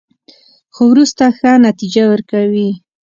خو وروسته ښه نتیجه ورکوي.